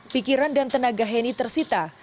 pikiran dan tenaga heni tersita